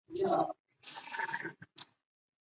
广东异型兰为兰科异型兰属下的一个种。